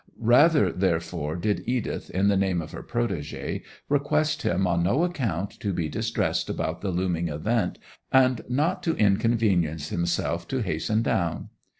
Rather therefore did Edith, in the name of her protégée, request him on no account to be distressed about the looming event, and not to inconvenience himself to hasten down.